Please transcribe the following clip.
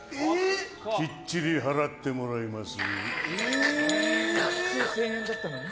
きっちり払ってもらいます。